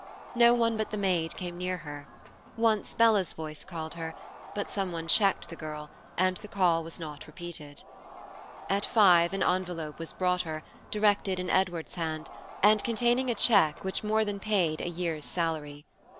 No one but the maid came near her; once Bella's voice called her, but some one checked the girl, and the call was not repeated. At five an envelope was brought her, directed in Edward's hand, and containing a check which more than paid a year's salary.